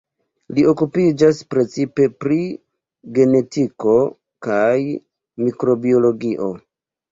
Li okupiĝas precipe pri genetiko kaj mikrobiologio.